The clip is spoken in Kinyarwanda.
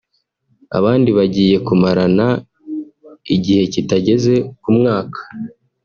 Abandi bagiye bamarana igihe kitageze ku mwaka